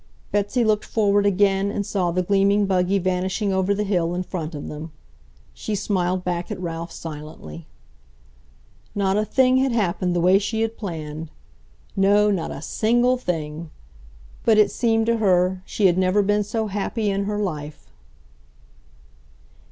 Betsy looked forward again and saw the gleaming buggy vanishing over the hill in front of them. She smiled back at Ralph silently. Not a thing had happened the way she had planned; no, not a single thing! But it seemed to her she had never been so happy in her life.